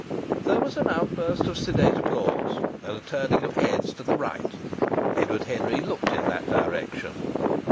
There was an outburst of sedate applause, and a turning of heads to the right. Edward Henry looked in that direction.